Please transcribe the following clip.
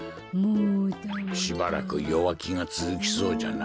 しばらく弱気がつづきそうじゃな。